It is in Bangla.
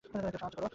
কেউ সাহায্য করো!